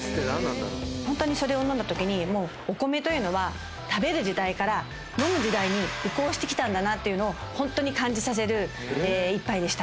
ホントにそれを飲んだときにもうお米というのは。移行してきたんだなというのをホントに感じさせる一杯でした。